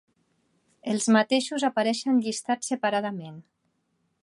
Els mateixos apareixen llistats separadament.